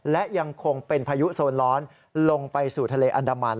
และยังคงเป็นพายุโซนร้อนลงไปสู่ทะเลอันดามัน